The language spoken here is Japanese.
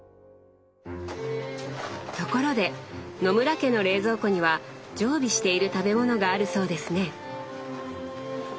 ところで野村家の冷蔵庫には常備している食べ物があるそうですね